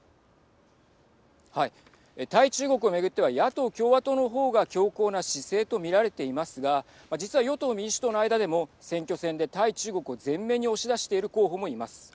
対中国を巡っては野党・共和党の方が強硬な姿勢と見られていますが実は与党・民主党の間でも選挙戦で対中国を前面に押し出している候補もいます。